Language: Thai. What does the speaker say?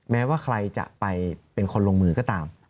แม้ว่าใครจะไปเป็นคนลงมือก็ตาม